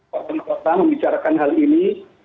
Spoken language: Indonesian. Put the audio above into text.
warga kota membicarakan hal ini